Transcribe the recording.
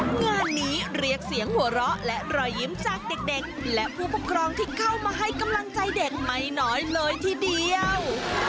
งานนี้เรียกเสียงหัวเราะและรอยยิ้มจากเด็กและผู้ปกครองที่เข้ามาให้กำลังใจเด็กไม่น้อยเลยทีเดียว